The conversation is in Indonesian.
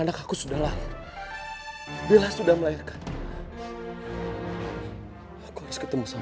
anak aku laki laki atau perempuan